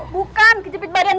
bukan kejepit badan